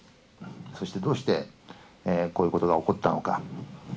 そして、どうしてこういうことが起こったのか。